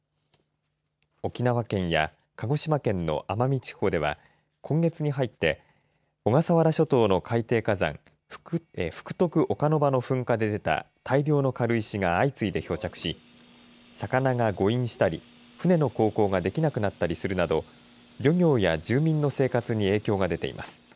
沖縄県や鹿児島県の奄美地方では今月に入って小笠原諸島の海底火山、福徳岡ノ場の噴火で出た大量の軽石が相次いで漂着し魚が誤飲したり船の航行ができなくなったりするなど漁業や住民の生活に影響が出ています。